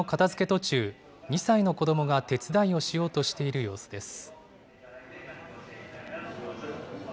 途中、２歳の子どもが手伝いをしようとしている様子です。